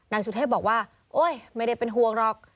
นายสุเทพบอกว่าโอ๊ยไม่ได้เป็นห่วงหรอก